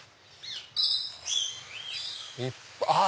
あっ！